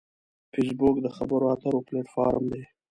فېسبوک د خبرو اترو پلیټ فارم دی